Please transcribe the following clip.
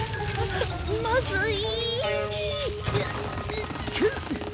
まずい。